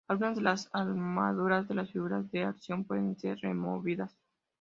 Algunas de las armaduras de las figuras de acción pueden ser removidas.